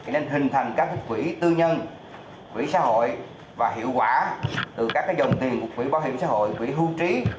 nên hình thành các quỹ tư nhân quỹ xã hội và hiệu quả từ các dòng tiền của quỹ bảo hiểm xã hội quỹ hưu trí